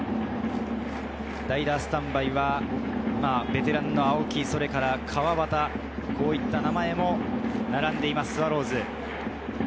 代打スタンバイはベテランの青木、それから川端、こういった名前も並んでいます、スワローズ。